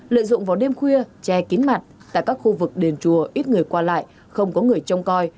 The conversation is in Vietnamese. lợi dụng vào đêm khuya che kín mặt tại các khu vực đền chùa ít người qua lại không có người trông coi